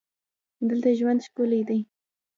دلته ژوند ښکلی دی.